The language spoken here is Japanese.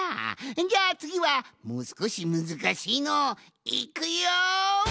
じゃあつぎはもうすこしむずかしいのをいくよん！